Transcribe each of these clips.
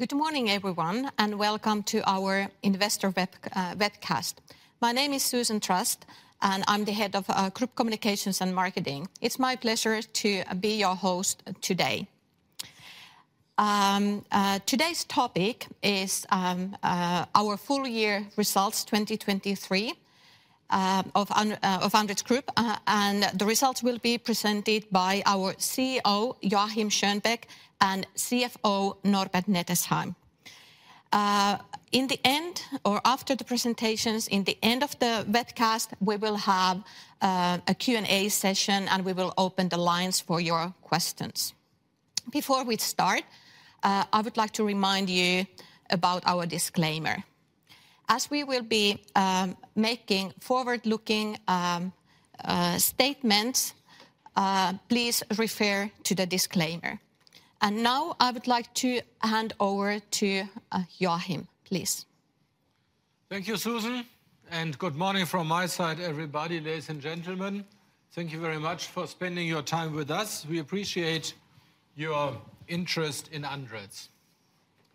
Good morning, everyone, and welcome to our investor webcast. My name is Susan Trast, and I'm the head of Group Communications and Marketing. It's my pleasure to be your host today. Today's topic is our full year results 2023 of ANDRITZ Group. The results will be presented by our CEO, Joachim Schönbeck, and CFO, Norbert Nettesheim. In the end or after the presentations, in the end of the webcast, we will have a Q&A session, and we will open the lines for your questions. Before we start, I would like to remind you about our disclaimer. As we will be making forward-looking statements, please refer to the disclaimer. And now I would like to hand over to Joachim, please. Thank you, Susan, and good morning from my side, everybody. Ladies and gentlemen, thank you very much for spending your time with us. We appreciate your interest in ANDRITZ.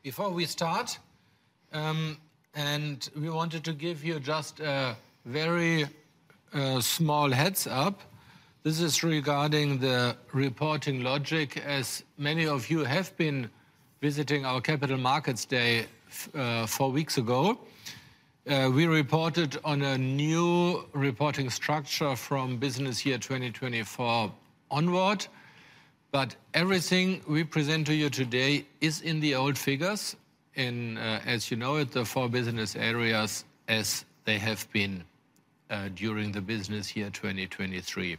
Before we start, and we wanted to give you just a very small heads-up. This is regarding the reporting logic. As many of you have been visiting our Capital Markets Day, four weeks ago, we reported on a new reporting structure from business year 2024 onward. But everything we present to you today is in the old figures, in, as you know it, the four business areas as they have been during the business year 2023.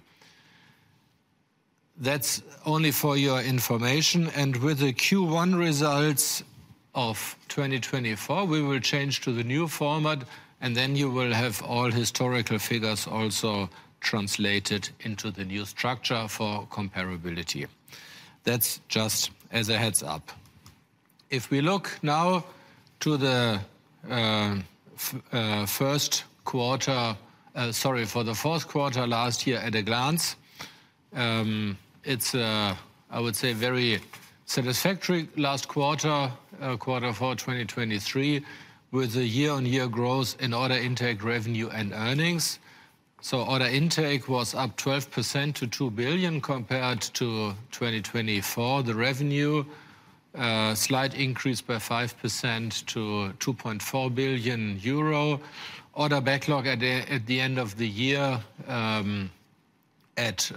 That's only for your information, and with the Q1 results of 2024, we will change to the new format, and then you will have all historical figures also translated into the new structure for comparability. That's just as a heads-up. If we look now to the first quarter... Sorry, for the fourth quarter last year at a glance, it's a, I would say, very satisfactory last quarter, quarter for 2023, with a year-on-year growth in order intake, revenue, and earnings. So order intake was up 12% to 2 billion compared to 2024. The revenue, slight increase by 5% to 2.4 billion euro. Order backlog at the end of the year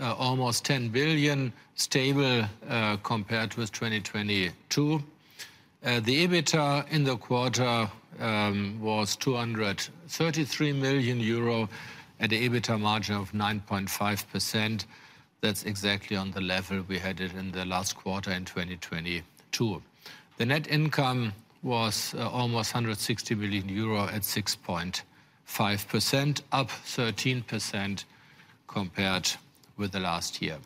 almost 10 billion, stable compared with 2022. The EBITDA in the quarter was 233 million euro at an EBITDA margin of 9.5%. That's exactly on the level we had it in the last quarter in 2022. The net income was almost 160 million euro at 6.5%, up 13% compared with the last year.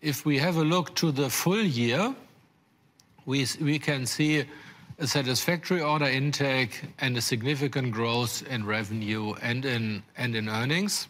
If we have a look to the full year, we can see a satisfactory order intake and a significant growth in revenue and in earnings.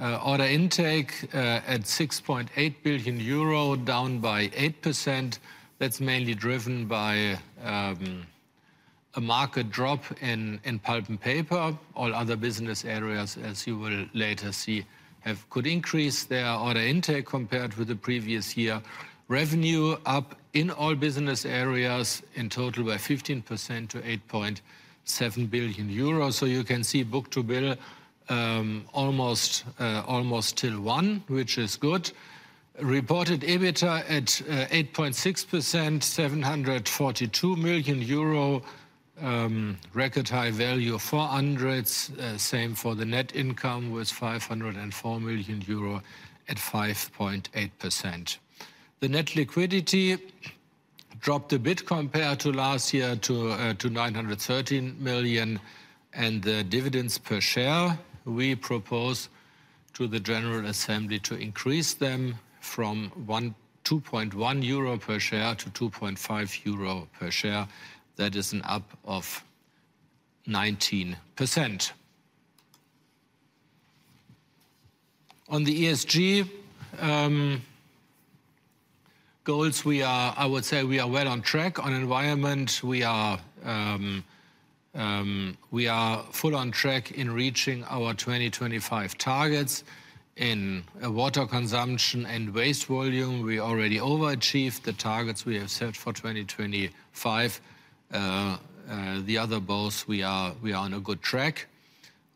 Order intake at 6.8 billion euro, down by 8%. That's mainly driven by a market drop in pulp and paper. All other business areas, as you will later see, have could increase their order intake compared with the previous year. Revenue up in all business areas in total by 15% to 8.7 billion euros. So you can see book-to-bill almost till one, which is good. Reported EBITDA at 8.6%, 742 million euro, record high value for ANDRITZ. Same for the net income, was 504 million euro at 5.8%. The net liquidity dropped a bit compared to last year, to 913 million, and the dividends per share, we propose to the general assembly to increase them from 2.1 euro per share to 2.5 euro per share. That is an up of 19%. On the ESG goals, we are—I would say we are well on track. On environment, we are full on track in reaching our 2025 targets. In water consumption and waste volume, we already overachieved the targets we have set for 2025. The other goals, we are on a good track.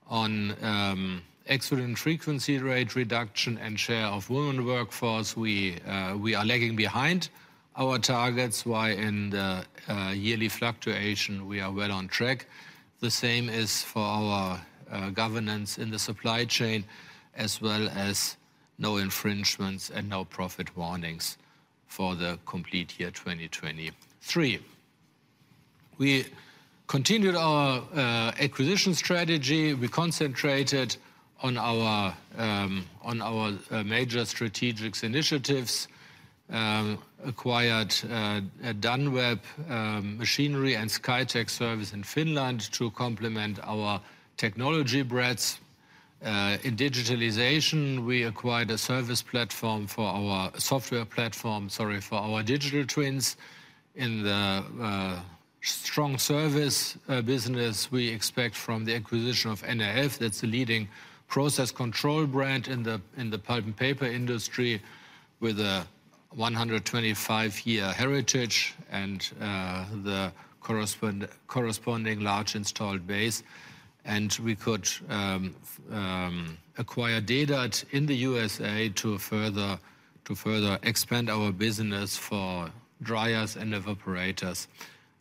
On accident frequency rate reduction and share of women workforce, we are lagging behind our targets, while in the yearly fluctuation, we are well on track. The same is for our governance in the supply chain, as well as no infringements and no profit warnings for the complete year 2023. We continued our acquisition strategy. We concentrated on our major strategic initiatives, acquired Dan-Web Machinery and SciTech Service in Finland to complement our technology breadth—in digitalization, we acquired a service platform for our software platform, sorry, for our digital twins. In the strong service business, we expect from the acquisition of NAF, that's a leading process control brand in the pulp and paper industry, with a 125-year heritage and the corresponding large installed base. And we could acquire Dedert in the USA to further expand our business for dryers and evaporators,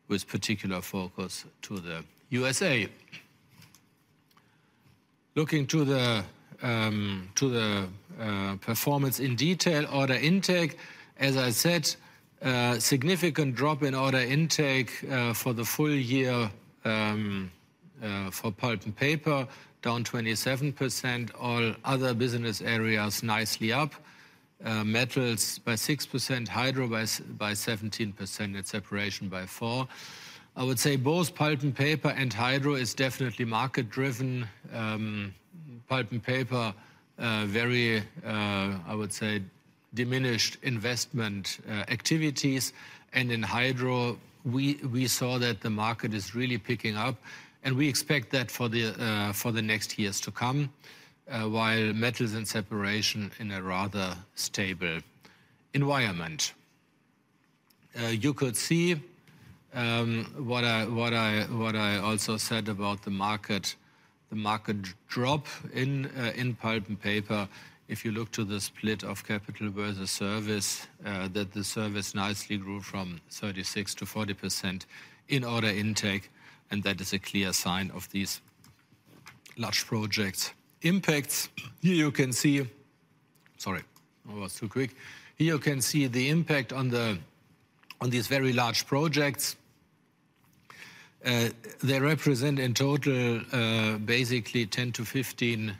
with particular focus to the USA. Looking to the performance in detail, order intake, as I said, a significant drop in order intake for the full year for pulp and paper, down 27%. All other business areas, nicely up. Metals by 6%, hydro by 17%, and separation by 4%. I would say both pulp and paper and hydro is definitely market-driven. Pulp and paper, very, I would say, diminished investment activities. And in hydro, we saw that the market is really picking up, and we expect that for the next years to come, while metals and separation in a rather stable environment. You could see what I also said about the market, the market drop in pulp and paper. If you look to the split of capital versus service, that the service nicely grew from 36%-40% in order intake, and that is a clear sign of these large projects impacts. Here you can see—sorry, I was too quick. Here you can see the impact on the, on these very large projects. They represent, in total, basically 10%-15%,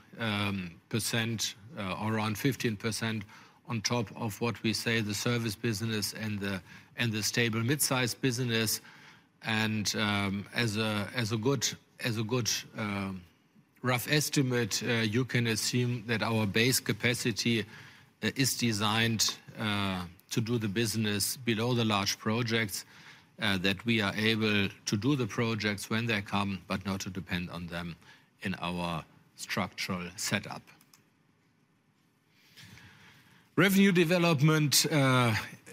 or around 15% on top of what we say the service business and the, and the stable mid-sized business. As a good, as a good, rough estimate, you can assume that our base capacity is designed to do the business below the large projects, that we are able to do the projects when they come, but not to depend on them in our structural setup. Revenue development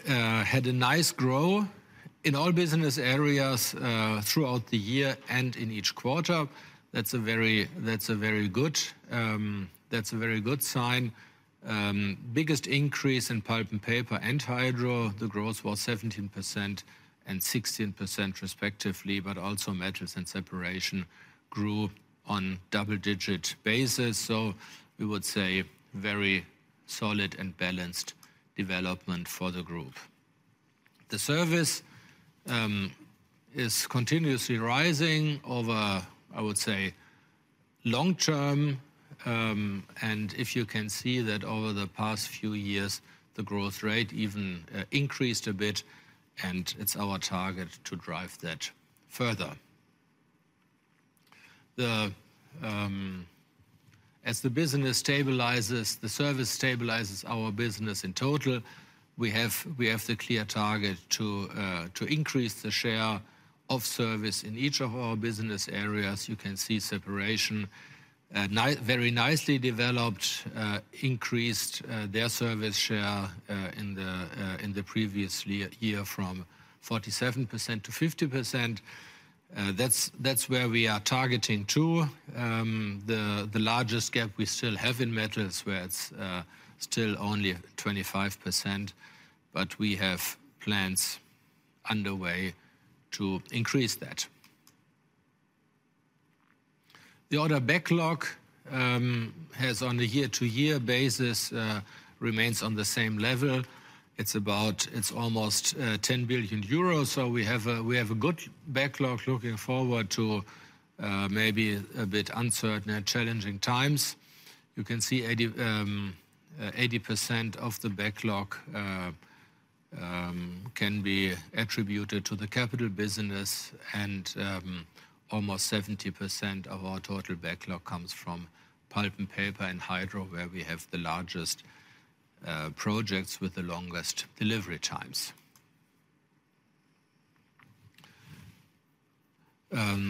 had a nice growth in all business areas throughout the year and in each quarter. That's a very good sign. Biggest increase in pulp and paper and hydro, the growth was 17% and 16% respectively, but also metals and separation grew on double-digit basis, so we would say very solid and balanced development for the group. The service is continuously rising over, I would say, long term, and if you can see that over the past few years, the growth rate even increased a bit, and it's our target to drive that further. As the business stabilizes, the service stabilizes our business in total. We have the clear target to increase the share of service in each of our business areas. You can see separation very nicely developed, increased their service share in the previous year from 47%-50%. That's where we are targeting to. The largest gap we still have in metals, where it's still only 25%, but we have plans underway to increase that. The order backlog has on a year-to-year basis remains on the same level. It's about—it's almost 10 billion euros, so we have a good backlog looking forward to maybe a bit uncertain and challenging times. You can see 80%, eighty percent of the backlog can be attributed to the capital business, and almost 70% of our total backlog comes from pulp and paper and hydro, where we have the largest projects with the longest delivery times.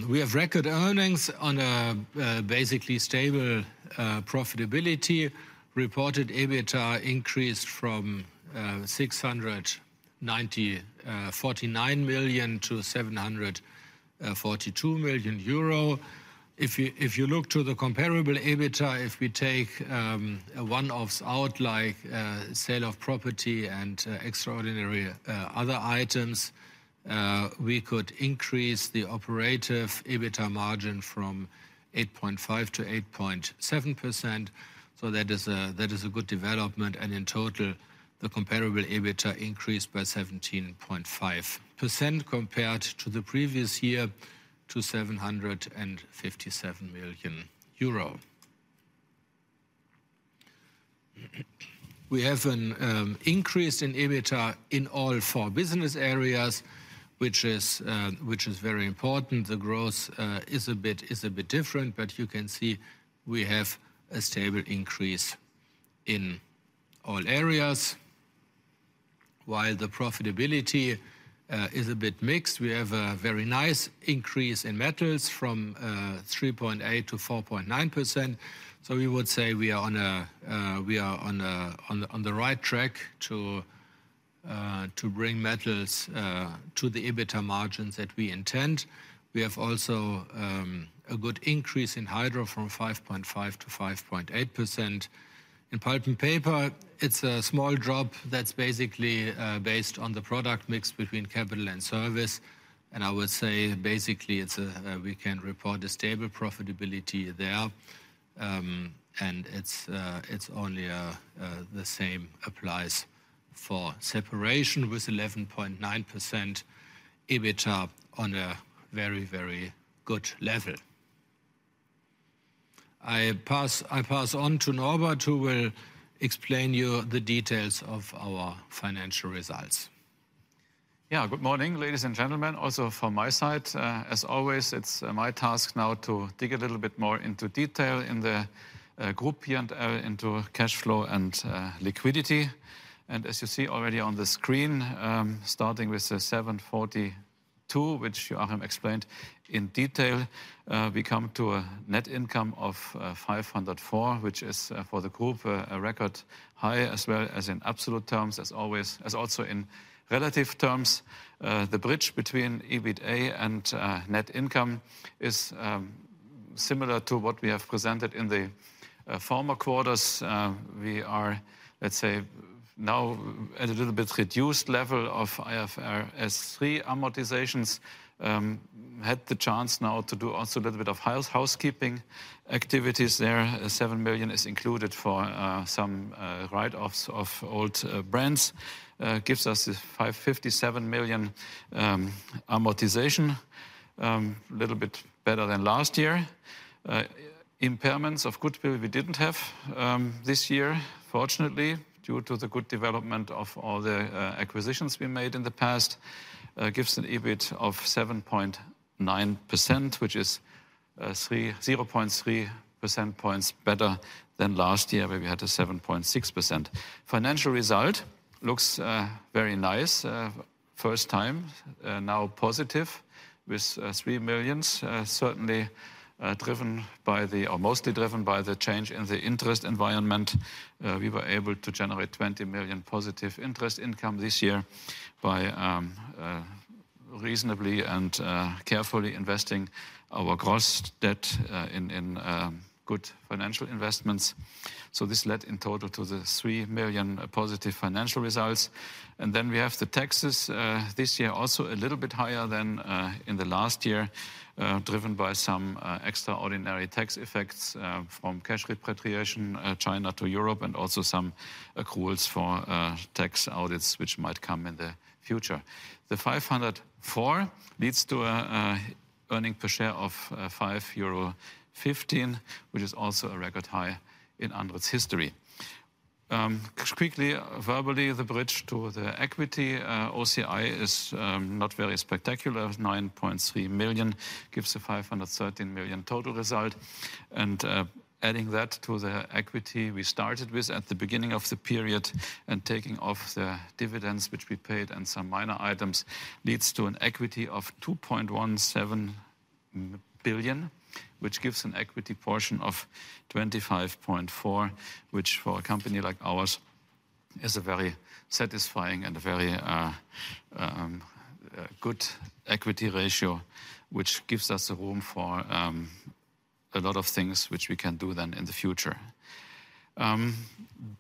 We have record earnings on a basically stable profitability. Reported EBITDA increased from 649 million to 742 million euro. If you, if you look to the comparable EBITDA, if we take one-offs out, like sale of property and extraordinary other items, we could increase the operative EBITDA margin from 8.5%-8.7%. So that is a good development, and in total, the comparable EBITDA increased by 17.5% compared to the previous year, to 757 million euro. We have an increase in EBITDA in all four business areas, which is very important. The growth is a bit different, but you can see we have a stable increase in all areas. While the profitability is a bit mixed, we have a very nice increase in Metals from 3.8%-4.9%. So we would say we are on the right track to bring Metals to the EBITDA margins that we intend. We have also a good increase in Hydro from 5.5%-5.8%. In Pulp and Paper, it's a small drop that's basically based on the product mix between capital and service, and I would say basically it's a we can report a stable profitability there. And it's it's only a—the same applies for Separation, with 11.9% EBITDA on a very, very good level. I pass, I pass on to Norbert, who will explain you the details of our financial results. Yeah. Good morning, ladies and gentlemen. Also from my side, as always, it's my task now to dig a little bit more into detail in the group P&L into cash flow and liquidity. As you see already on the screen, starting with 742, which Joachim explained in detail, we come to a net income of 504, which is for the group a record high, as well as in absolute terms as always, as also in relative terms. The bridge between EBITA and net income is similar to what we have presented in the former quarters. We are, let's say, now at a little bit reduced level of IFRS 3 amortizations. Had the chance now to do also a little bit of housekeeping activities there. 7 million is included for some write-offs of old brands. Gives us a 557 million amortization. A little bit better than last year. Impairments of goodwill, we didn't have this year, fortunately, due to the good development of all the acquisitions we made in the past. Gives an EBIT of 7.9%, which is 0.3 percentage points better than last year, where we had a 7.6%. Financial result looks very nice. First time now positive with 3 million, certainly driven by the or mostly driven by the change in the interest environment. We were able to generate 20 million positive interest income this year by reasonably and carefully investing our gross debt in good financial investments. So this led in total to the 3 million positive financial results. Then we have the taxes, this year, also a little bit higher than in the last year, driven by some extraordinary tax effects from cash repatriation, China to Europe, and also some accruals for tax audits which might come in the future. The 504 leads to a earning per share of 5.15 euro, which is also a record high in ANDRITZ history. Quickly, verbally, the bridge to the equity OCI is not very spectacular. 9.3 million gives a 513 million total result. Adding that to the equity we started with at the beginning of the period, and taking off the dividends which we paid and some minor items, leads to an equity of 2.17 billion, which gives an equity portion of 25.4%, which, for a company like ours, is a very satisfying and a very good equity ratio, which gives us room for a lot of things which we can do then in the future.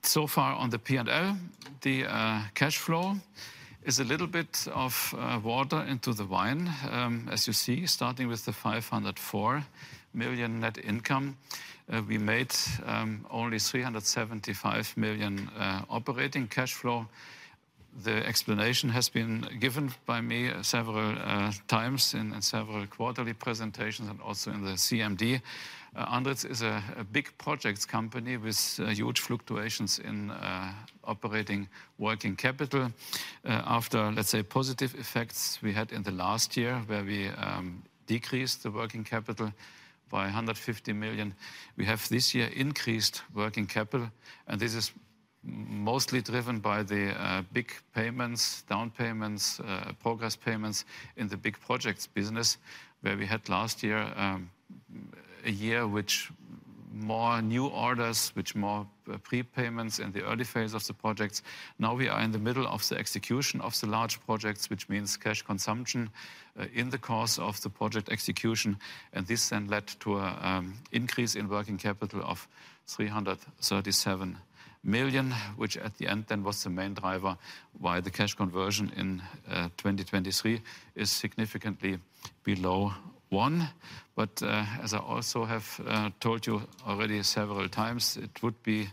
So far on the P&L, the cash flow is a little bit of water into the wine. As you see, starting with the 504 million net income, we made only 375 million operating cash flow. The explanation has been given by me several times in several quarterly presentations and also in the CMD. ANDRITZ is a big projects company with huge fluctuations in operating working capital. After, let's say, positive effects we had in the last year, where we decreased the working capital by 150 million, we have this year increased working capital, and this is mostly driven by the big payments, down payments, progress payments in the big projects business, where we had last year a year which more new orders, which more prepayments in the early phase of the projects. Now we are in the middle of the execution of the large projects, which means cash consumption, in the course of the project execution, and this then led to a increase in working capital of 337 million, which at the end then was the main driver why the cash conversion in 2023 is significantly below one. But, as I also have told you already several times, it would be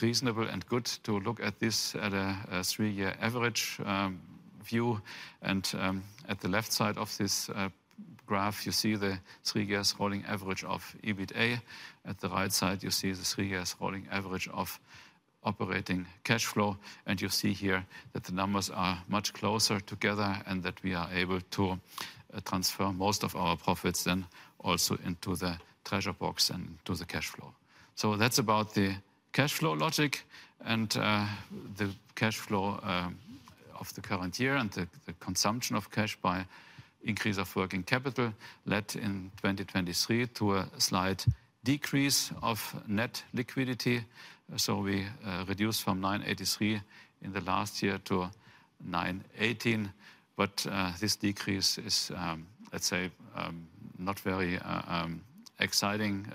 reasonable and good to look at this at a three-year average view. And, at the left side of this graph, you see the three-years rolling average of EBITA. At the right side, you see the three-year rolling average of operating cash flow, and you see here that the numbers are much closer together, and that we are able to transfer most of our profits then also into the treasury and to the cash flow. So that's about the cash flow logic, and the cash flow of the current year and the consumption of cash by increase of working capital led in 2023 to a slight decrease of net liquidity. So we reduced from 983 in the last year to 918, but this decrease is, let's say, not very exciting.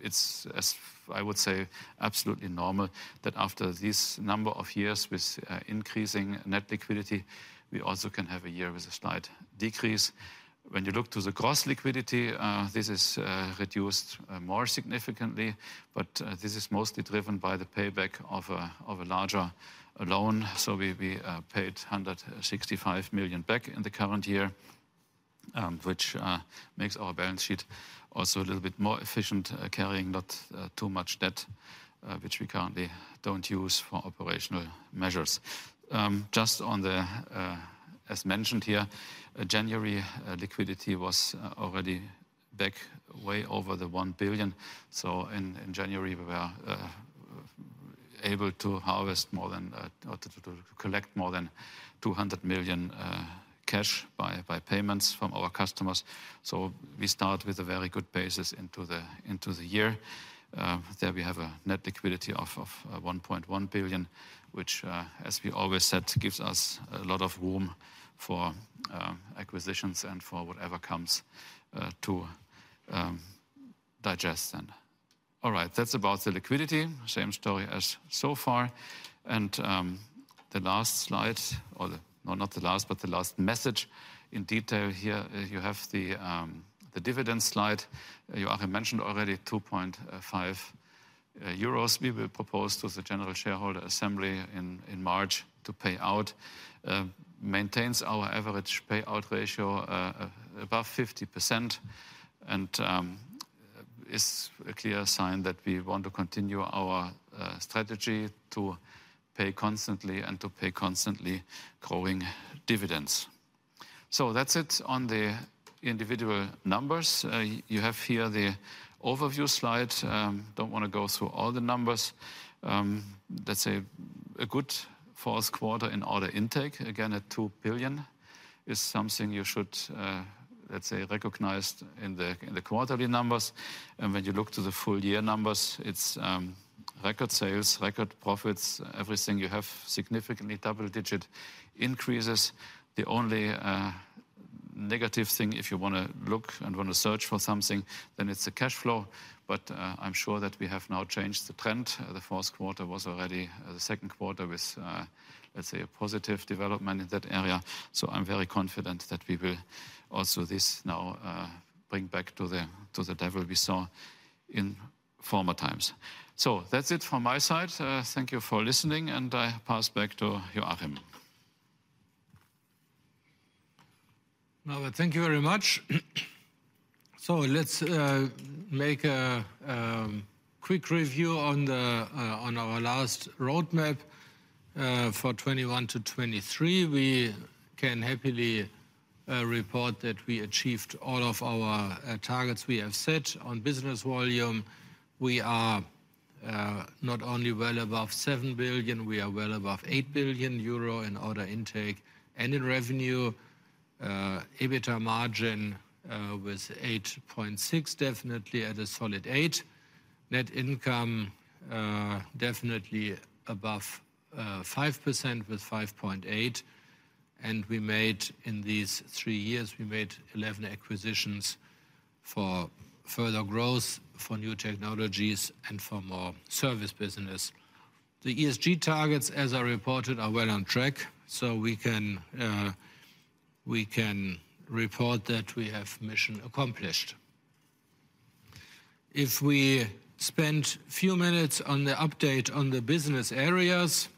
It's as I would say, absolutely normal, that after this number of years with increasing net liquidity, we also can have a year with a slight decrease. When you look to the gross liquidity, this is reduced more significantly, but this is mostly driven by the payback of a larger loan. So we paid 165 million back in the current year, which makes our balance sheet also a little bit more efficient, carrying not too much debt, which we currently don't use for operational measures. Just on the, as mentioned here, January liquidity was already back way over the 1 billion. So in January, we were able to harvest more than or to collect more than 200 million cash by payments from our customers. So we start with a very good basis into the year. There we have a net liquidity of 1.1 billion, which, as we always said, gives us a lot of room for acquisitions and for whatever comes to digest then. All right, that's about the liquidity. Same story as so far. The last slide or the—no, not the last, but the last message in detail here, you have the dividend slide. Joachim mentioned already 2.5 euros we will propose to the general shareholder assembly in March to pay out. Maintains our average payout ratio above 50%, and is a clear sign that we want to continue our strategy to pay constantly and to pay constantly growing dividends. So that's it on the individual numbers. You have here the overview slide. Don't wanna go through all the numbers. That's a good fourth quarter in order intake. Again, at 2 billion is something you should, let's say, recognize in the quarterly numbers. And when you look to the full year numbers, it's record sales, record profits, everything you have significantly double-digit increases. The only negative thing, if you wanna look and wanna search for something, then it's the cash flow, but I'm sure that we have now changed the trend. The fourth quarter was already the second quarter with, let's say, a positive development in that area. So I'm very confident that we will also this now bring back to the level we saw in former times. So that's it from my side. Thank you for listening, and I pass back to Joachim. Now, thank you very much. So let's make a quick review on our last roadmap. For 2021-2023, we can happily report that we achieved all of our targets we have set. On business volume, we are not only well above 7 billion, we are well above 8 billion euro in order intake and in revenue. EBITDA margin with 8.6%, definitely at a solid 8%. Net income definitely above 5% with 5.8%, and we made, in these three years, we made 11 acquisitions for further growth, for new technologies, and for more service business. The ESG targets, as I reported, are well on track, so we can report that we have mission accomplished. If we spend few minutes on the update on the business areas,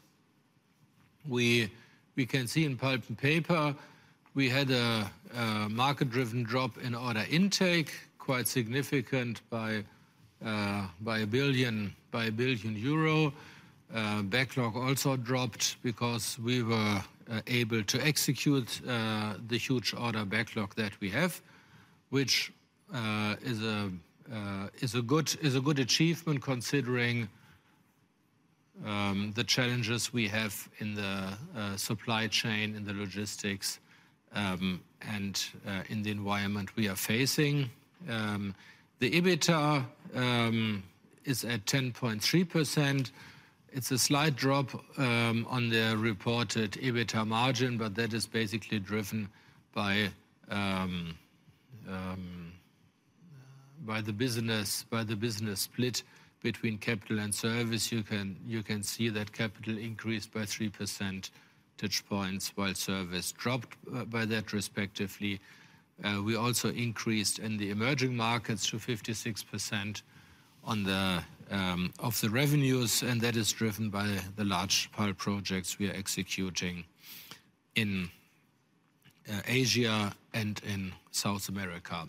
we can see in Pulp & Paper, we had a market-driven drop in order intake, quite significant by 1 billion euro. Backlog also dropped because we were able to execute the huge order backlog that we have, which is a good achievement considering the challenges we have in the supply chain, in the logistics, and in the environment we are facing. The EBITDA is at 10.3%. It's a slight drop on the reported EBITDA margin, but that is basically driven by the business split between capital and service. You can, you can see that capital increased by 3% touch points, while service dropped by that respectively. We also increased in the emerging markets to 56% of the revenues, and that is driven by the large power projects we are executing in Asia and in South America.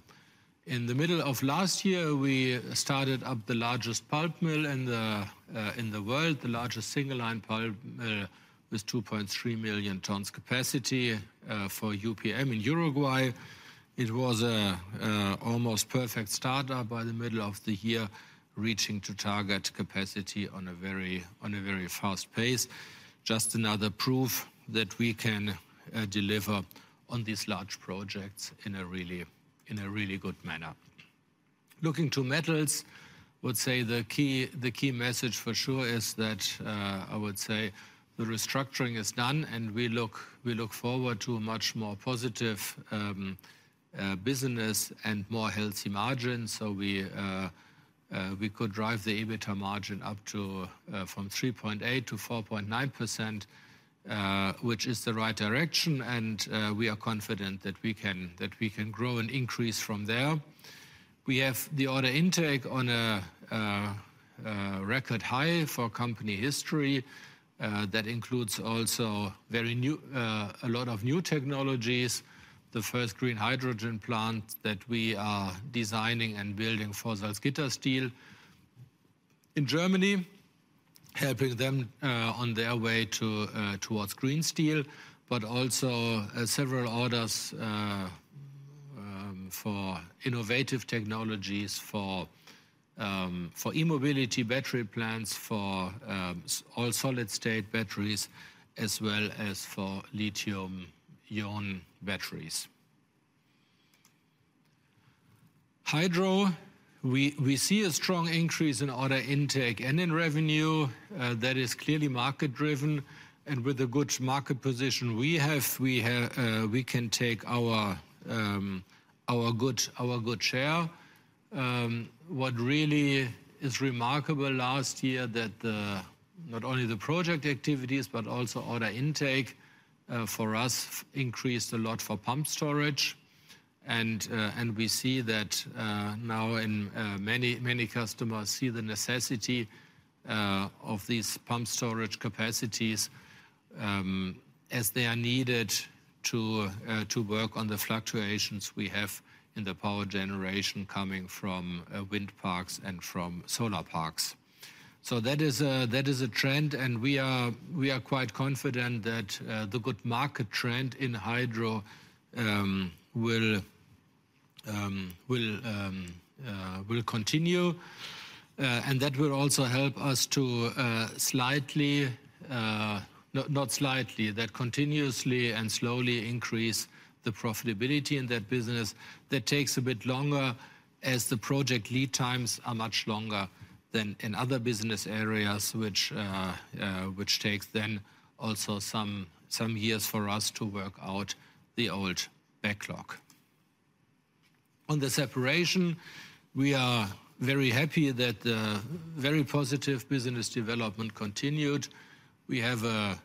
In the middle of last year, we started up the largest pulp mill in the in the world, the largest single-line pulp with 2.3 million tons capacity for UPM in Uruguay. It was almost perfect startup by the middle of the year, reaching to target capacity on a very, on a very fast pace. Just another proof that we can deliver on these large projects in a really, in a really good manner. Looking to Metals, I would say the key message for sure is that, I would say the restructuring is done, and we look forward to a much more positive, business and more healthy margins. So we could drive the EBITDA margin up to, from 3.8%-4.9%, which is the right direction, and, we are confident that we can grow and increase from there. We have the order intake on a record high for company history, that includes also very new—a lot of new technologies. The first green hydrogen plant that we are designing and building for Salzgitter Steel in Germany, helping them on their way towards green steel, but also several orders for innovative technologies for e-mobility battery plants, for all solid-state batteries, as well as for lithium ion batteries. Hydro, we see a strong increase in order intake and in revenue that is clearly market-driven. And with the good market position we have, we can take our good share. What really is remarkable last year that not only the project activities, but also order intake for us increased a lot for pump storage. And we see that now in many, many customers see the necessity of these pump storage capacities, as they are needed to work on the fluctuations we have in the power generation coming from wind parks and from solar parks. So that is a trend, and we are quite confident that the good market trend in hydro will continue. And that will also help us to slightly—not slightly, to continuously and slowly increase the profitability in that business. That takes a bit longer, as the project lead times are much longer than in other business areas, which takes then also some years for us to work out the old backlog. On the Separation, we are very happy that the very positive business development continued. We have a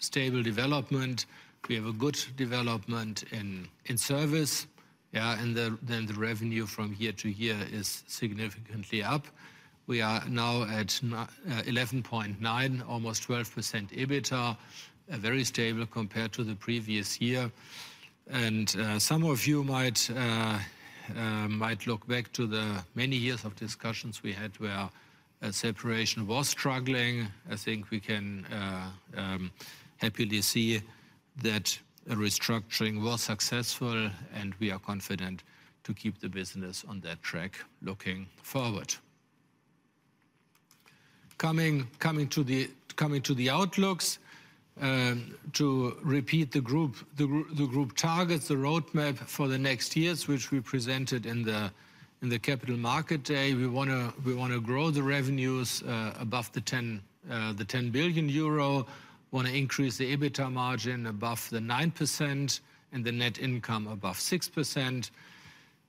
stable development. We have a good development in service, and then the revenue from year to year is significantly up. We are now at 11.9, almost 12% EBITDA, very stable compared to the previous year. And some of you might look back to the many years of discussions we had where a Separation was struggling. I think we can happily see that a restructuring was successful, and we are confident to keep the business on that track looking forward. Coming to the outlooks, to repeat the group targets, the roadmap for the next years, which we presented in the Capital Markets Day. We wanna grow the revenues above the 10 billion euro, wanna increase the EBITDA margin above the 9% and the net income above 6%.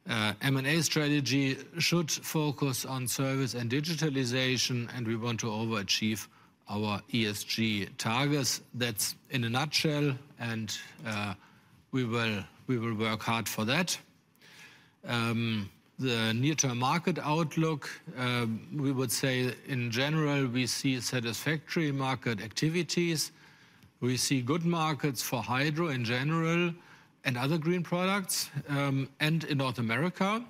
M&A strategy should focus on service and digitalization, and we want to overachieve our ESG targets. That's in a nutshell, and we will work hard for that. The near-term market outlook, we would say in general, we see satisfactory market activities. We see good markets for hydro in general and other green products, and in North America.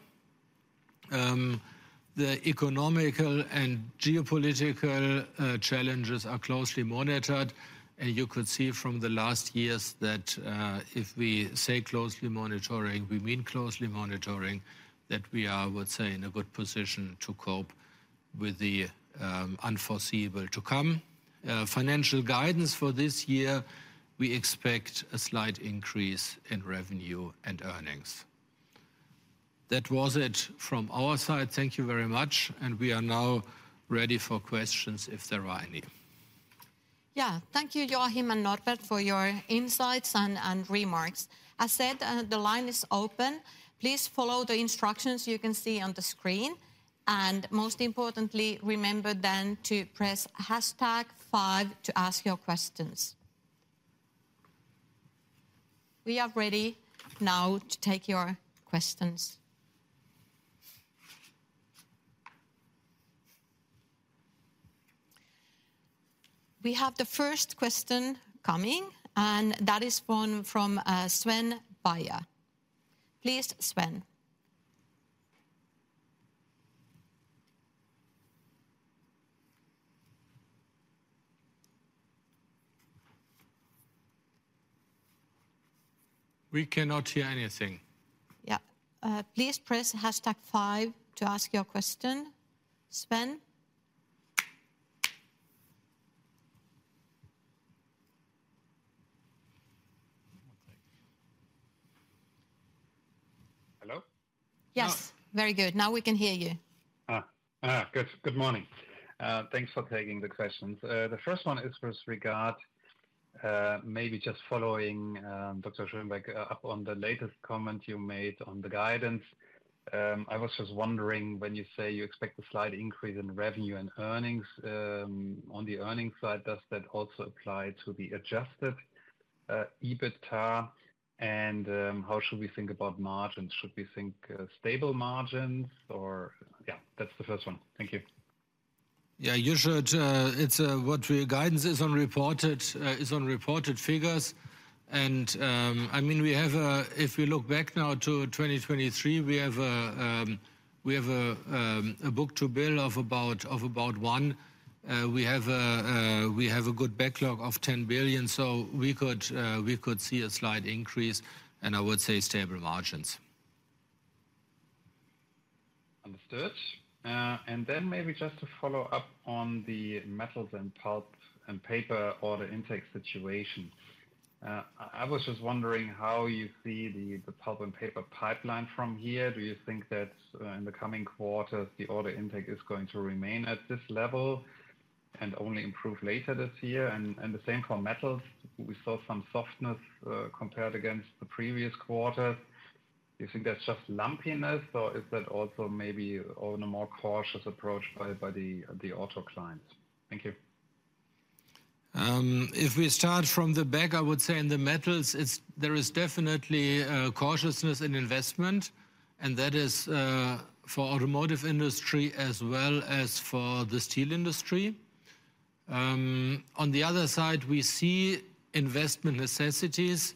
The economic and geopolitical challenges are closely monitored, and you could see from the last years that, if we say closely monitoring, we mean closely monitoring, that we are, I would say, in a good position to cope with the unforeseeable to come. Financial guidance for this year, we expect a slight increase in revenue and earnings. That was it from our side. Thank you very much, and we are now ready for questions, if there are any. Yeah. Thank you, Joachim and Norbert, for your insights and, and remarks. I said, the line is open. Please follow the instructions you can see on the screen, and most importantly, remember then to press hashtag five to ask your questions. We are ready now to take your questions—we have the first question coming, and that is one from, Sven Weier. Please, Sven. We cannot hear anything. Yeah. Please press hashtag five to ask your question, Sven. Hello? Yes, very good. Now we can hear you. Good morning. Thanks for taking the questions. The first one is with regard, maybe just following, Dr. Schönbeck, up on the latest comment you made on the guidance. I was just wondering, when you say you expect a slight increase in revenue and earnings, on the earnings side, does that also apply to the adjusted EBITDA? And, how should we think about margins? Should we think, stable margins or—yeah, that's the first one. Thank you. Yeah, you should, it's what your guidance is on reported figures. And, I mean, we have a—if we look back now to 2023, we have a book-to-bill of about 1. We have a good backlog of 10 billion, so we could see a slight increase, and I would say stable margins. Understood. And then maybe just to follow up on the metals and pulp and paper order intake situation. I was just wondering how you see the pulp and paper pipeline from here. Do you think that in the coming quarters, the order intake is going to remain at this level and only improve later this year? And the same for metals. We saw some softness compared against the previous quarter. Do you think that's just lumpiness, or is that also maybe on a more cautious approach by the auto clients? Thank you. If we start from the back, I would say in the metals, there is definitely a cautiousness in investment, and that is for automotive industry as well as for the steel industry. On the other side, we see investment necessities,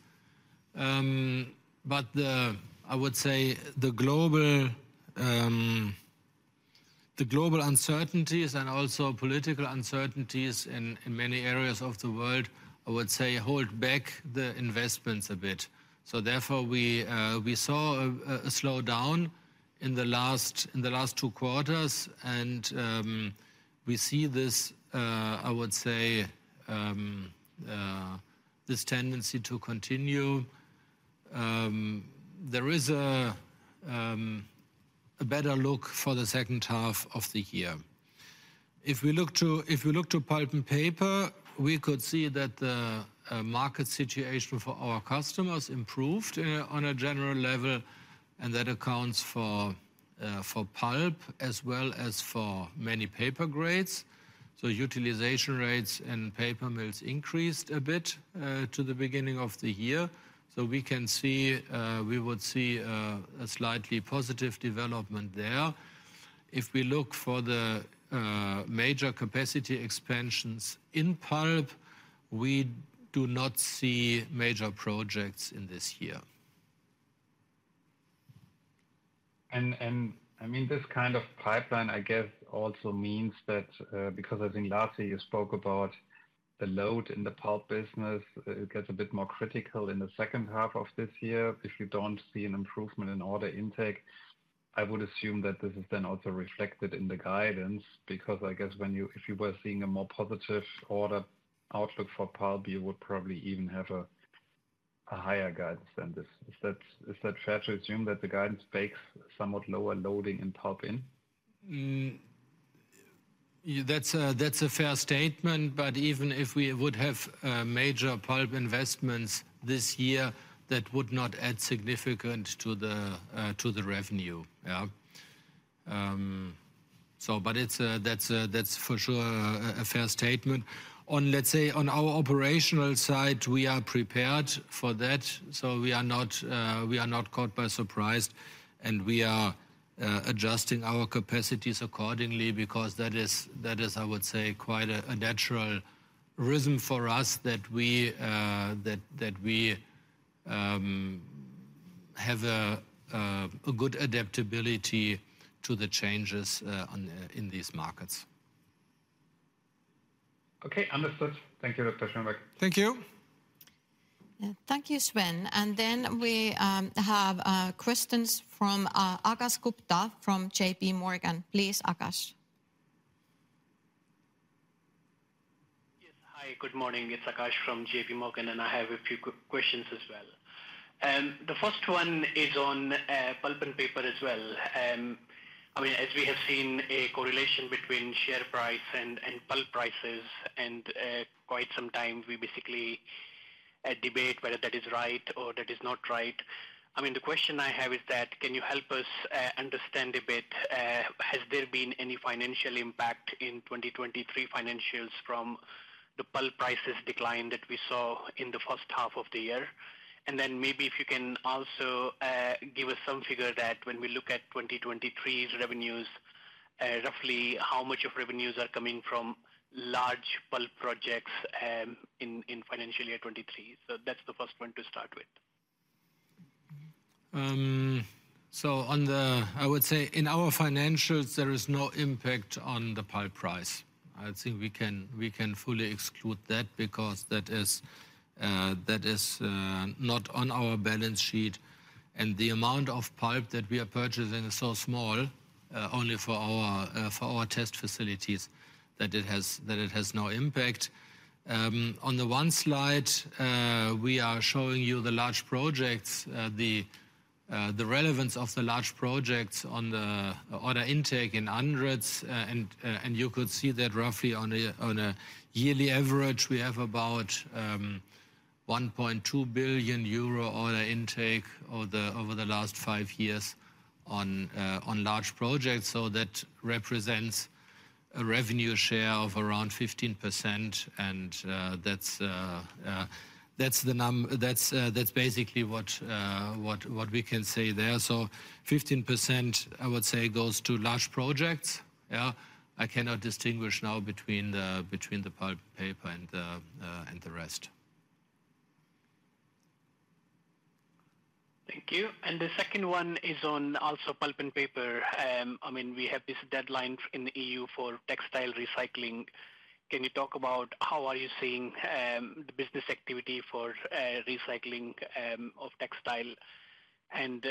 but I would say the global uncertainties and also political uncertainties in many areas of the world, I would say, hold back the investments a bit. So therefore, we saw a slowdown in the last two quarters, and we see this, I would say, this tendency to continue. There is a better look for the second half of the year. If we look to, if we look to pulp and paper, we could see that the market situation for our customers improved on a general level, and that accounts for for pulp as well as for many paper grades. So utilization rates in paper mills increased a bit to the beginning of the year, so we can see, we would see a slightly positive development there. If we look for the major capacity expansions in pulp, we do not see major projects in this year. I mean, this kind of pipeline, I guess, also means that, because I think, lastly, you spoke about the load in the pulp business, it gets a bit more critical in the second half of this year if you don't see an improvement in order intake. I would assume that this is then also reflected in the guidance, because I guess when you—if you were seeing a more positive order outlook for pulp, you would probably even have a higher guidance than this. Is that fair to assume, that the guidance bakes somewhat lower loading in pulp in? Yeah, that's a fair statement, but even if we would have major pulp investments this year, that would not add significant to the revenue. Yeah. So but it's a, that's for sure a fair statement. On, let's say, on our operational side, we are prepared for that, so we are not caught by surprise, and we are adjusting our capacities accordingly because that is, I would say, quite a natural rhythm for us, that we have a good adaptability to the changes on in these markets. Okay, understood. Thank you, Dr. Schönbeck. Thank you. Thank you, Sven. Then we have questions from Akash Gupta from J.P. Morgan. Please, Akash. Yes. Hi, good morning. It's Akash from J.P. Morgan, and I have a few quick questions as well. The first one is on pulp and paper as well. I mean, as we have seen a correlation between share price and pulp prices, and quite some time we basically debate whether that is right or that is not right. I mean, the question I have is that, can you help us understand a bit, has there been any financial impact in 2023 financials from the pulp prices decline that we saw in the first half of the year? And then maybe if you can also give us some figure that when we look at 2023's revenues, roughly how much of revenues are coming from large pulp projects in financial year 2023. That's the first one to start with. So on the, I would say in our financials, there is no impact on the pulp price. I would say we can fully exclude that because that is not on our balance sheet, and the amount of pulp that we are purchasing is so small, only for our test facilities, that it has no impact. On the one slide, we are showing you the large projects, the relevance of the large projects on the order intake in hundreds. And you could see that roughly on a yearly average, we have about 1.2 billion euro order intake over the last five years on large projects. So that represents a revenue share of around 15%, and that's basically what we can say there. So 15%, I would say, goes to large projects. Yeah. I cannot distinguish now between the pulp, paper, and the rest. Thank you. And the second one is on also pulp and paper. I mean, we have this deadline in the EU for textile recycling. Can you talk about how are you seeing the business activity for recycling of textile? And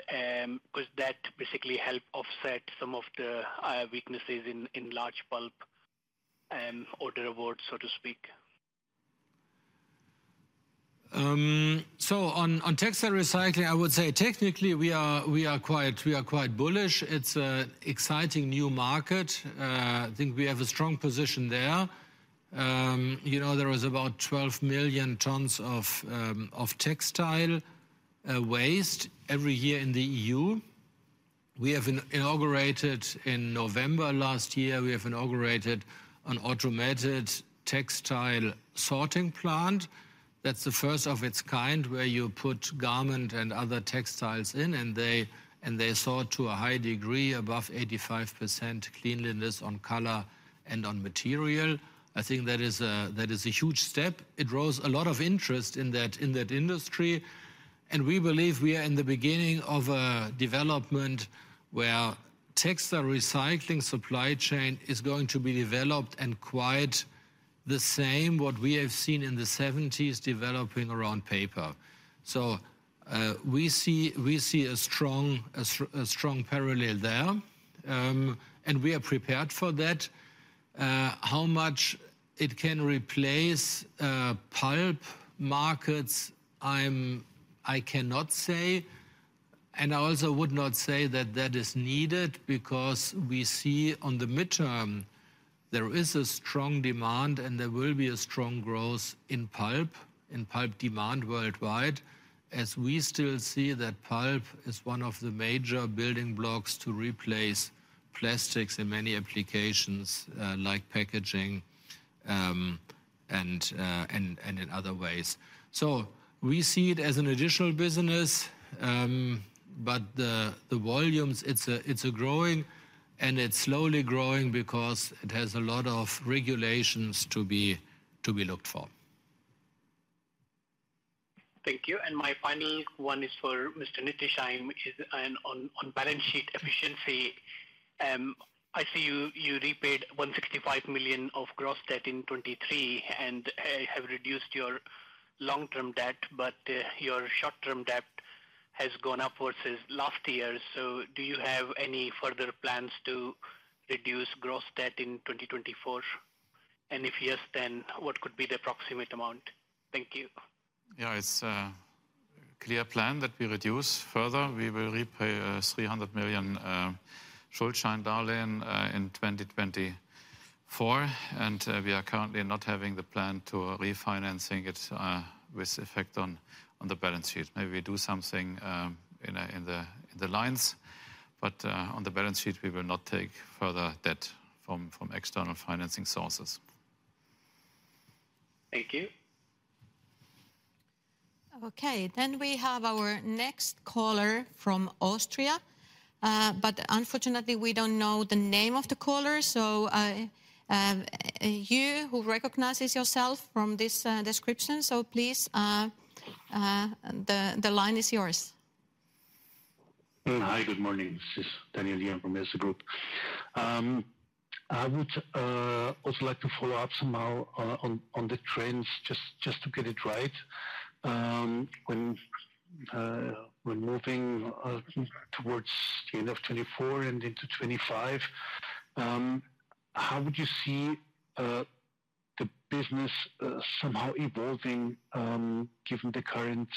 could that basically help offset some of the weaknesses in large pulp order awards, so to speak? So on textile recycling, I would say technically we are quite bullish. It's an exciting new market. I think we have a strong position there. You know, there is about 12 million tons of textile waste every year in the EU. We have inaugurated in November last year an automated textile sorting plant. That's the first of its kind, where you put garment and other textiles in, and they sort to a high degree, above 85% cleanliness on color and on material. I think that is a huge step. It draws a lot of interest in that industry, and we believe we are in the beginning of a development where textile recycling supply chain is going to be developed and quite the same, what we have seen in the seventies developing around paper. So, we see a strong parallel there, and we are prepared for that. How much it can replace pulp markets, I cannot say, and I also would not say that that is needed because we see on the midterm there is a strong demand, and there will be a strong growth in pulp demand worldwide, as we still see that pulp is one of the major building blocks to replace plastics in many applications, like packaging, and in other ways. So we see it as an additional business, but the volumes, it's growing, and it's slowly growing because it has a lot of regulations to be looked for. Thank you. And my final one is for Mr. Nettesheim, which is on balance sheet efficiency. I see you repaid 165 million of gross debt in 2023, and you have reduced your long-term debt, but your short-term debt has gone up versus last year. So do you have any further plans to reduce gross debt in 2024? And if yes, then what could be the approximate amount? Thank you. Yeah, it's a clear plan that we reduce further. We will repay 300 million Schuldschein loan in 2024, and we are currently not having the plan to refinancing it with effect on the balance sheet. Maybe we do something in the lines, but on the balance sheet, we will not take further debt from external financing sources. Thank you. Okay, then we have our next caller from Austria. But unfortunately, we don't know the name of the caller, so, you who recognizes yourself from this description, so please, the line is yours. Hi, good morning. This is Daniel Lion from Erste Group. I would also like to follow up somehow on the trends, just to get it right. When moving towards the end of 2024 and into 2025, how would you see the business somehow evolving, given the current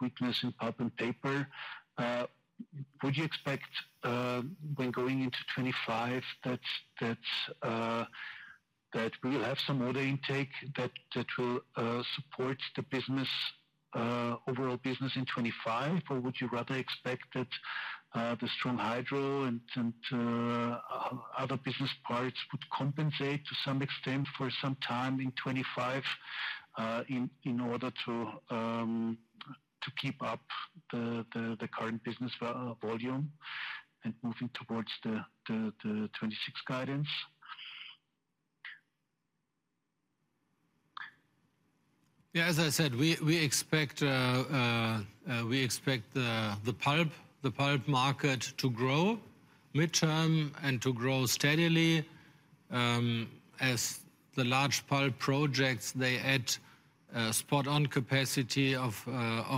weakness in pulp and paper? Would you expect, when going into 2025, that we will have some order intake that will support the business, overall business in 2025, or would you rather expect that the strong Hydro and other business parts would compensate to some extent for some time in 2025, in order to keep up the current business volume and moving towards the 2026 guidance? Yeah, as I said, we expect the pulp market to grow midterm and to grow steadily. As the large pulp projects, they add spot on capacity of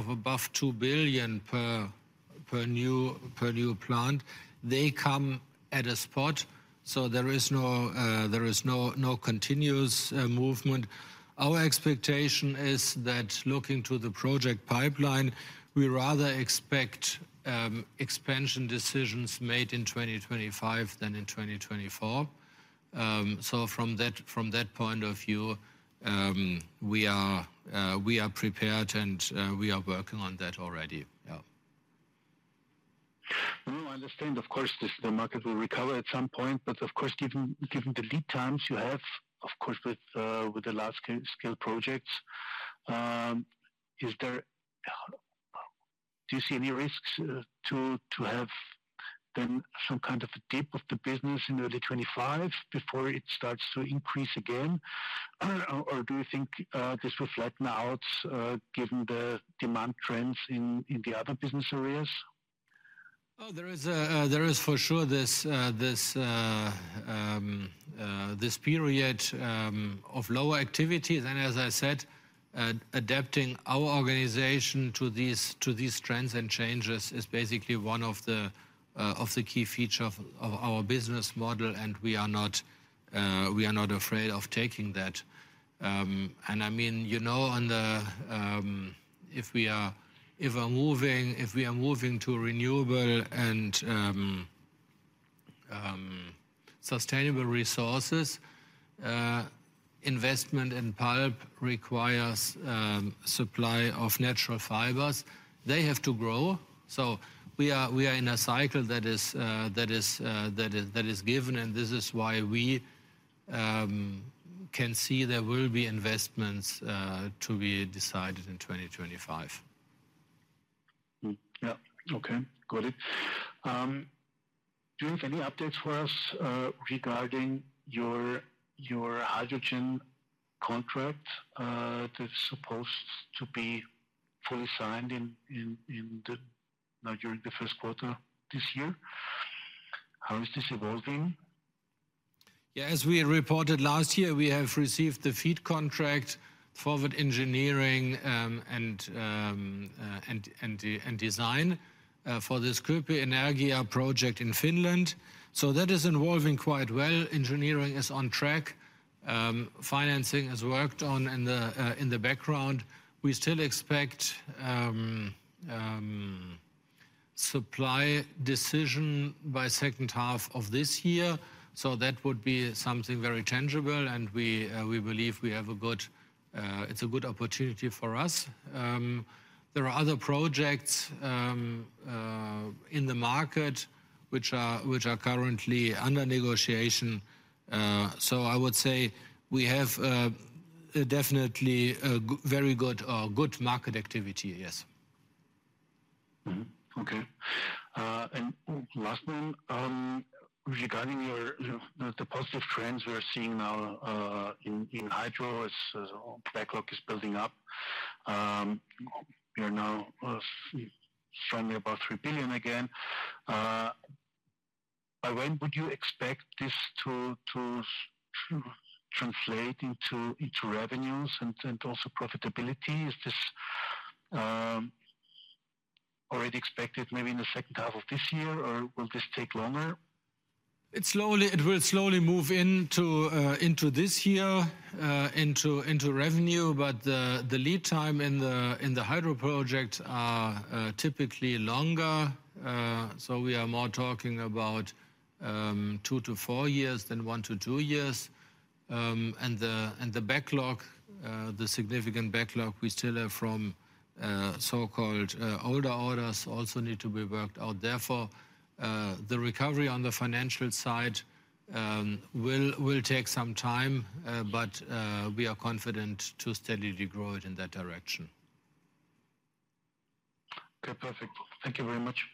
above 2 billion per new plant. They come at a spot, so there is no continuous movement. Our expectation is that looking to the project pipeline, we rather expect expansion decisions made in 2025 than in 2024. So from that point of view, we are prepared, and we are working on that already. Yeah. No, I understand. Of course, this, the market will recover at some point, but of course, given, given the lead times you have, of course, with the large scale projects, is there—do you see any risks to have then some kind of a dip of the business in early 2025 before it starts to increase again? Or do you think this will flatten out given the demand trends in the other business areas? Oh, there is for sure this period of lower activity. And as I said, adapting our organization to these trends and changes is basically one of the key feature of our business model, and we are not afraid of taking that. And I mean, you know, on the, if we're moving to renewable and sustainable resources, investment in pulp requires supply of natural fibers. They have to grow. So we are in a cycle that is given, and this is why we can see there will be investments to be decided in 2025. Yeah. Okay, got it. Do you have any updates for us regarding your hydrogen contract? That's supposed to be fully signed during the first quarter this year. How is this evolving? Yeah, as we reported last year, we have received the FEED contract, front-end engineering and design, for this Kuopio Energia project in Finland. So that is evolving quite well. Engineering is on track. Financing has worked on in the background. We still expect supply decision by second half of this year, so that would be something very tangible, and we believe we have a good, it's a good opportunity for us. There are other projects in the market which are currently under negotiation. So I would say we have definitely a very good market activity. Yes. Mm-hmm. Okay. And last one, regarding the positive trends we are seeing now in Hydro as backlog is building up, we are now strongly about 3 billion again. By when would you expect this to translate into revenues and also profitability? Is this already expected maybe in the second half of this year, or will this take longer? It slowly, it will slowly move into, into this year, into, into revenue, but the, the lead time in the, in the hydro projects are, typically longer. So we are more talking about, 2 years-4 years than 1 year-2 years. And the, and the backlog, the significant backlog we still have from, so-called, older orders also need to be worked out. Therefore, the recovery on the financial side, will, will take some time, but, we are confident to steadily grow it in that direction. Okay, perfect. Thank you very much.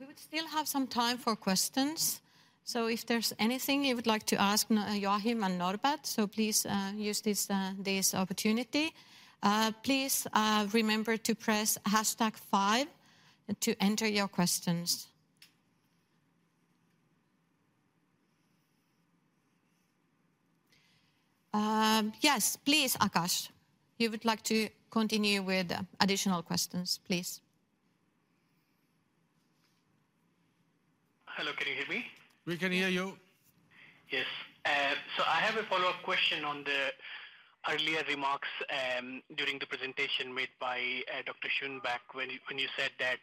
We would still have some time for questions, so if there's anything you would like to ask Joachim and Norbert, so please use this opportunity. Please remember to press hashtag five to enter your questions. Yes, please, Akash, you would like to continue with additional questions, please. Hello, can you hear me? We can hear you. Yes. So I have a follow-up question on the earlier remarks during the presentation made by Dr. Schönbeck, when you, when you said that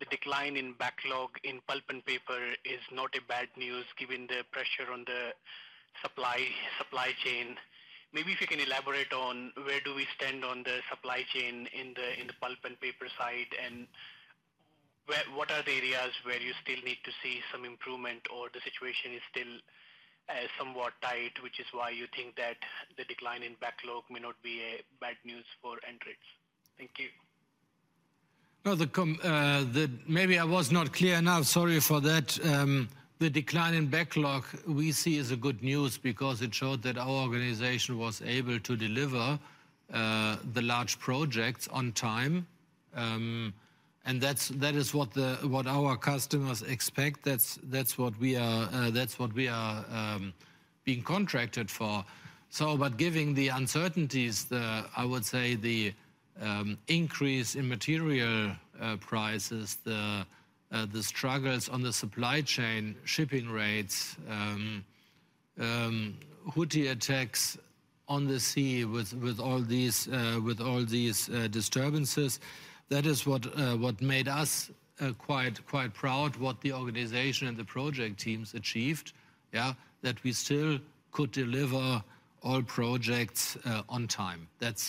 the decline in backlog in pulp and paper is not a bad news, given the pressure on the supply, supply chain. Maybe if you can elaborate on where do we stand on the supply chain in the, in the pulp and paper side, and where- what are the areas where you still need to see some improvement or the situation is still, somewhat tight, which is why you think that the decline in backlog may not be a bad news for ANDRITZ? Thank you. Well, the decline in backlog we see as a good news because it showed that our organization was able to deliver the large projects on time. And that's what our customers expect. That's what we are being contracted for. So but giving the uncertainties, I would say, the increase in material prices, the struggles on the supply chain, shipping rates, Houthi attacks on the sea with all these disturbances, that is what made us quite proud, what the organization and the project teams achieved, yeah. That we still could deliver all projects on time that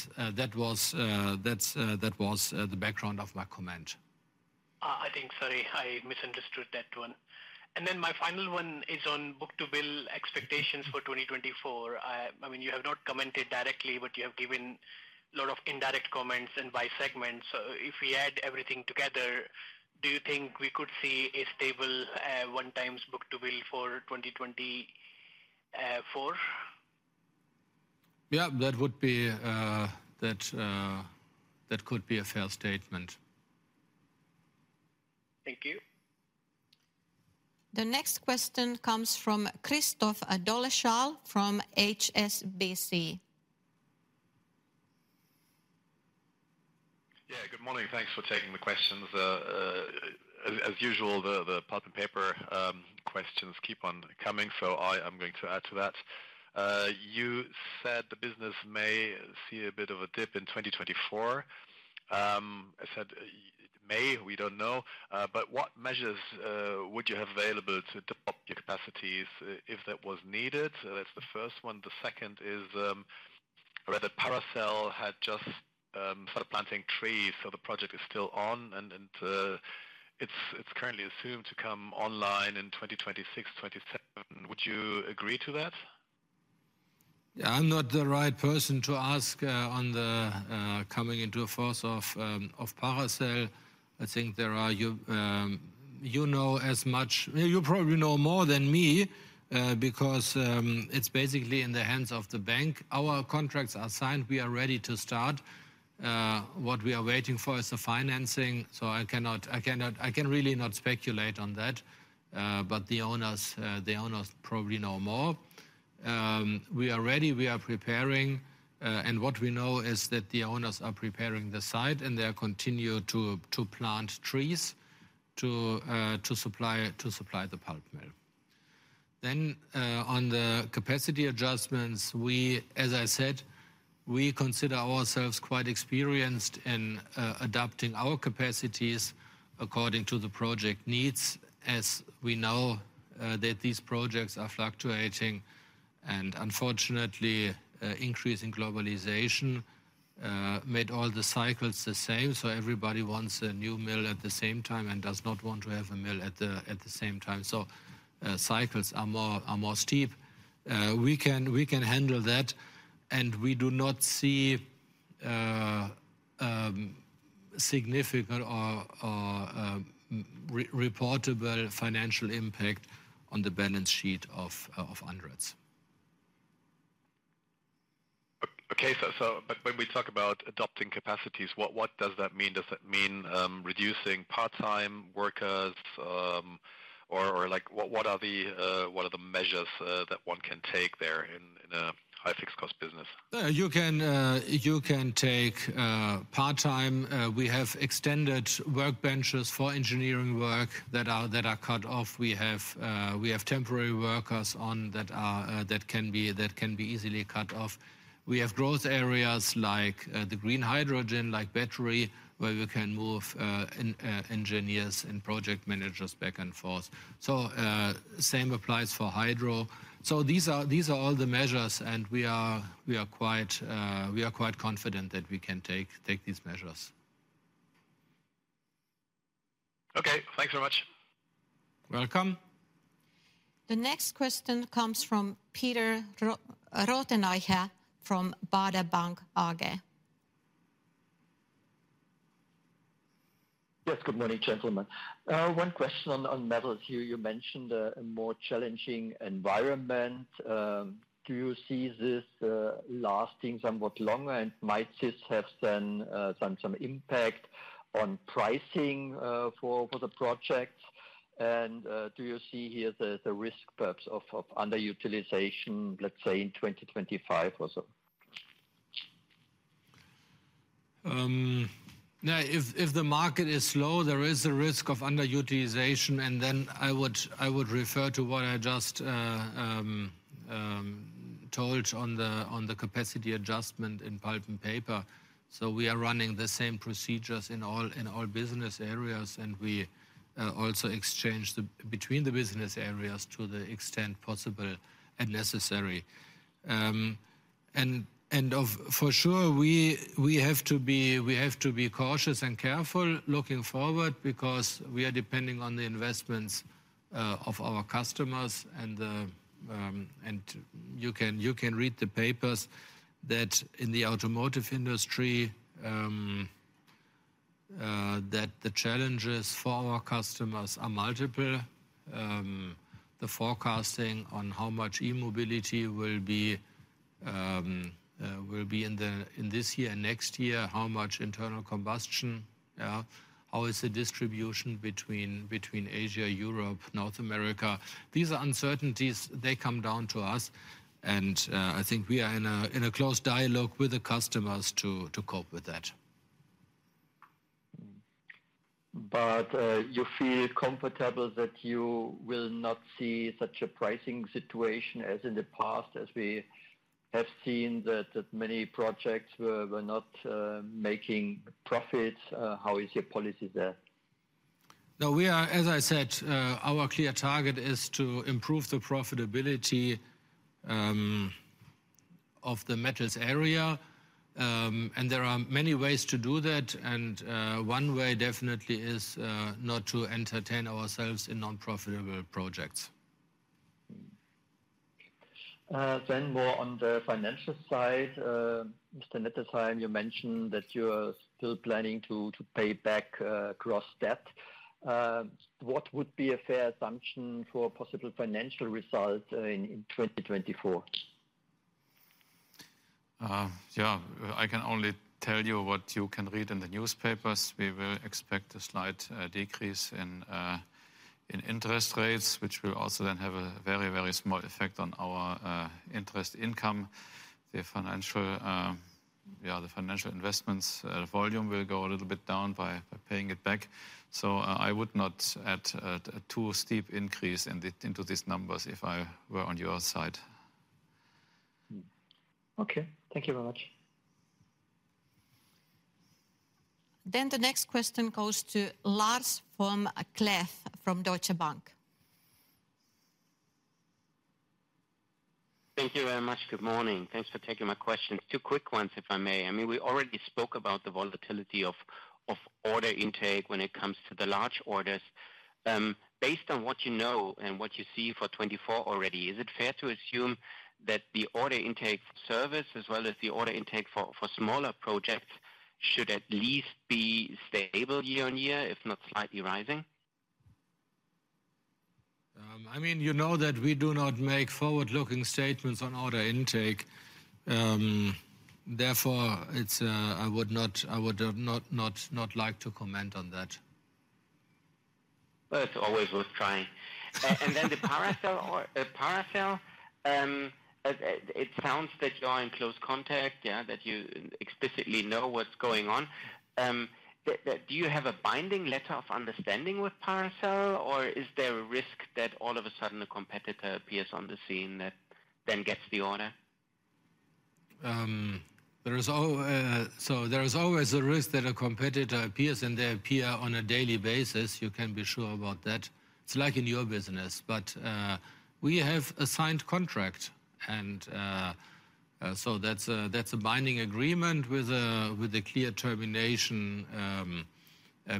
was the background of my comment. I think, sorry, I misunderstood that one. And then my final one is on book-to-bill expectations for 2024. I mean, you have not commented directly, but you have given a lot of indirect comments and by segment. So if we add everything together, do you think we could see a stable, 1x book-to-bill for 2024? Yeah, that could be a fair statement. Thank you. The next question comes from Christoph Dolleschal, from HSBC. Yeah, good morning. Thanks for taking the questions. As usual, the pulp and paper questions keep on coming, so I am going to add to that. You said the business may see a bit of a dip in 2024. I said may, we don't know. But what measures would you have available to top up your capacities if that was needed? So that's the first one. The second is, I read that Paracel had just started planting trees, so the project is still on, and it's currently assumed to come online in 2026-2027. Would you agree to that? Yeah, I'm not the right person to ask on the coming into force of Paracel. I think you're, you know as much... You probably know more than me, because it's basically in the hands of the bank. Our contracts are signed. We are ready to start. What we are waiting for is the financing, so I cannot, I cannot, I can really not speculate on that. But the owners, the owners probably know more. We are ready, we are preparing, and what we know is that the owners are preparing the site, and they are continue to plant trees to supply the pulp mill. Then, on the capacity adjustments, we, as I said, we consider ourselves quite experienced in adapting our capacities according to the project needs, as we know that these projects are fluctuating and unfortunately increasing globalization made all the cycles the same. So everybody wants a new mill at the same time and does not want to have a mill at the same time. So cycles are more steep. We can handle that, and we do not see significant or reportable financial impact on the balance sheet of ANDRITZ. Okay. So, so but when we talk about adjusting capacities, what, what does that mean? Does that mean reducing part-time workers? Or, or, like, what, what are the measures that one can take there in, in a high-fixed-cost business? You can take part-time. We have extended workbenches for engineering work that are cut off. We have temporary workers that can be easily cut off. We have growth areas like the green hydrogen, like battery, where we can move engineers and project managers back and forth. So same applies for hydro. So these are all the measures, and we are quite confident that we can take these measures. Okay, thanks so much. Welcome. The next question comes from Peter Rothenaicher from Baader Bank AG. Yes, good morning, gentlemen. One question on metals here. You mentioned a more challenging environment. Do you see this lasting somewhat longer, and might this have then some impact on pricing for the projects? And do you see here the risk perhaps of underutilization, let's say, in 2025 or so? Now, if the market is slow, there is a risk of underutilization, and then I would refer to what I just told on the capacity adjustment in pulp and paper, so we are running the same procedures in all business areas, and we also exchange between the business areas to the extent possible and necessary. And for sure, we have to be cautious and careful looking forward because we are depending on the investments of our customers. And you can read the papers that in the automotive industry that the challenges for our customers are multiple. The forecasting on how much e-mobility will be in this year and next year, how much internal combustion, yeah? How is the distribution between Asia, Europe, North America? These are uncertainties. They come down to us, and I think we are in a close dialogue with the customers to cope with that. But, you feel comfortable that you will not see such a pricing situation as in the past, as we have seen that many projects were not making profits? How is your policy there? No, we are. As I said, our clear target is to improve the profitability of the metals area. And there are many ways to do that, and one way definitely is not to entertain ourselves in non-profitable projects. Then more on the financial side, Mr. Nettesheim, you mentioned that you're still planning to pay back gross debt. What would be a fair assumption for possible financial results in 2024? Yeah. I can only tell you what you can read in the newspapers. We will expect a slight decrease in interest rates, which will also then have a very, very small effect on our interest income. The financial investments volume will go a little bit down by paying it back, so I would not add a too steep increase in it into these numbers if I were on your side. Okay. Thank you very much. The next question goes to Lars Cleff from Deutsche Bank. Thank you very much. Good morning. Thanks for taking my questions. Two quick ones, if I may. I mean, we already spoke about the volatility of, of order intake when it comes to the large orders. Based on what you know and what you see for 2024 already, is it fair to assume that the order intake service as well as the order intake for, for smaller projects should at least be stable year-on-year, if not slightly rising? I mean, you know that we do not make forward-looking statements on order intake. Therefore, it's, I would not like to comment on that. Well, it's always worth trying. And then the Paracel, it sounds that you are in close contact, yeah, that you explicitly know what's going on. Do you have a binding letter of understanding with Paracel, or is there a risk that all of a sudden a competitor appears on the scene that then gets the order? So there is always a risk that a competitor appears, and they appear on a daily basis. You can be sure about that. It's like in your business, but we have a signed contract, and so that's a binding agreement with a clear termination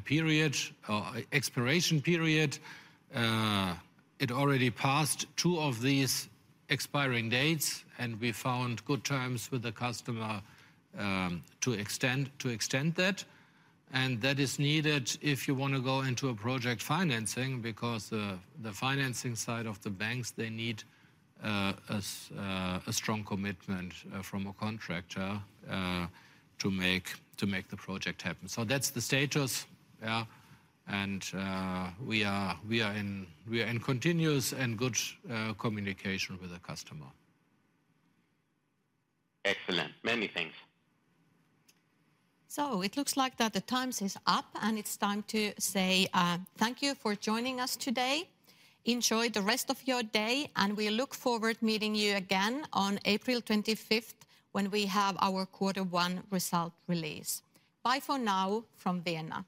period, expiration period. It already passed two of these expiring dates, and we found good terms with the customer to extend that. And that is needed if you want to go into a project financing because the financing side of the banks, they need a strong commitment from a contractor to make the project happen. So that's the status. Yeah, and we are in continuous and good communication with the customer. Excellent. Many thanks. So it looks like that the time is up, and it's time to say, thank you for joining us today. Enjoy the rest of your day, and we look forward to meeting you again on April 25 when we have our Quarter One result release. Bye for now from Vienna.